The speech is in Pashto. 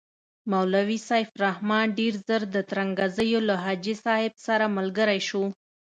مولوي سیف الرحمن ډېر ژر د ترنګزیو له حاجي صاحب سره ملګری شو.